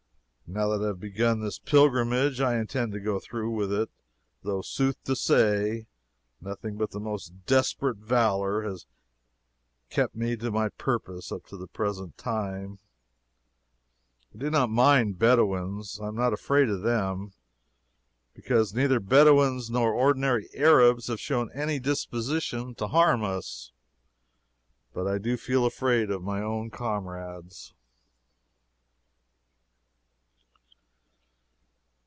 Now that I have begun this pilgrimage, I intend to go through with it, though sooth to say, nothing but the most desperate valor has kept me to my purpose up to the present time. I do not mind Bedouins, I am not afraid of them; because neither Bedouins nor ordinary Arabs have shown any disposition to harm us, but I do feel afraid of my own comrades.